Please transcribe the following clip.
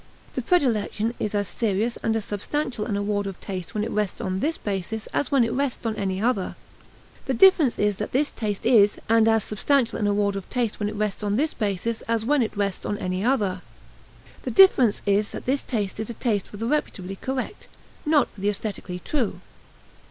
The predilection is as serious and as substantial an award of taste when it rests on this basis as when it rests on any other, the difference is that this taste is and as substantial an award of taste when it rests on this basis as when it rests on any other; the difference is that this taste is a taste for the reputably correct, not for the aesthetically true.